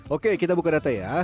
oke kita buka data ya